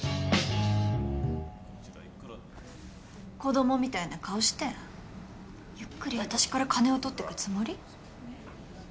子供みたいな顔してゆっくり私から金を取ってくつもり？